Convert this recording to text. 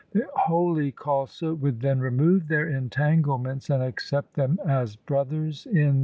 The holy Khalsa would then remove their entanglements and accept them as brothers in the faith.